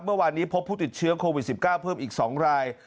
เมื่อวานนี้พบผู้ติดเชื้อโควิด๑๙เพิ่มอีก๒ราย